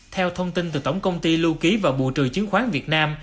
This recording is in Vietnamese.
theo thông tin từ tổng công ty lưu ký và bù trừ chứng khoán việt nam